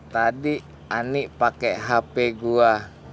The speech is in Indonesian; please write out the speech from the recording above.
tadi ani pakai hp gua